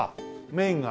メインが。